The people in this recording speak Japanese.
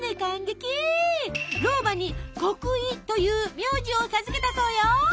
老婆に「国井」という名字を授けたそうよ。